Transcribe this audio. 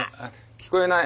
聞こえない。